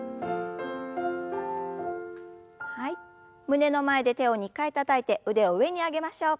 胸の前で手を２回たたいて腕を上に上げましょう。